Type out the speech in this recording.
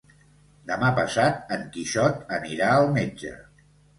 Demà passat en Quixot anirà al metge.